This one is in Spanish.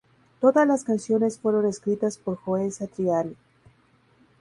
Todas las canciones fueron escritas por Joe Satriani.